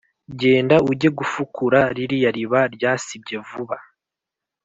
genda ujye gufukura ririya riba ryasibye vuba